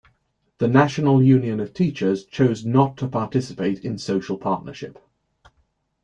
The National Union of Teachers chose not to participate in social partnership.